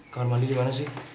kawan mandi dimana sih